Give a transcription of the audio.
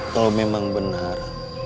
kalau memang benar